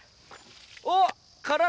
おっ！から